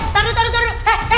taru taru taru